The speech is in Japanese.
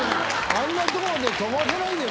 あんなとこまで飛ばせないんだよ